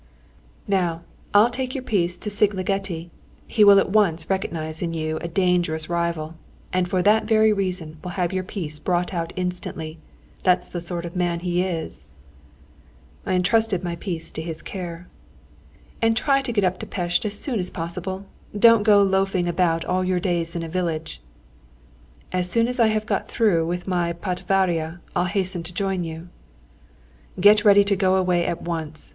"Now, I'll take your piece to Szigligeti. He will at once recognise in you a dangerous rival, and for that very reason will have your piece brought out instantly. That's the sort of man he is!" [Footnote 20: Pseudonym of the eminent Hungarian dramatist, Joseph Szathmáry.] I entrusted my piece to his care. "And try to get up to Pest as soon as possible. Don't go loafing about all your days in a village!" "As soon as I have got through with my patvaria I'll hasten to join you." "Get ready to go away at once.